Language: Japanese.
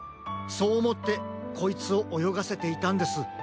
そうおもってこいつをおよがせていたんです。